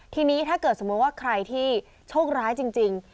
ทีนี้ถ้าเกิดสมมุติว่าใครที่โชคร้ายจริง